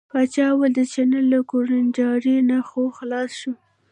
پاچا وویل د چیني له کوړنجاري نه خو خلاص شو.